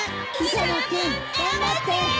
磯野君頑張ってー！